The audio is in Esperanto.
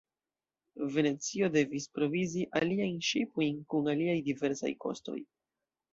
Venecio devis provizi aliajn ŝipojn kun aliaj diversaj kostoj.